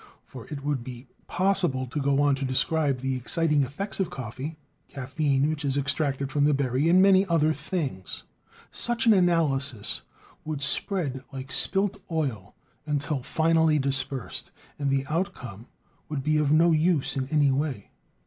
For it would be possible to go on to describe the exciting effects of coffee, caffeine, which is extracted from the berry, and many other things. Such an analysis would spread like spilt oil until finally dispersed, and the outcome would be of no use in any way.